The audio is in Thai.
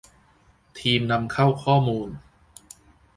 ทีมนำเข้าข้อมูล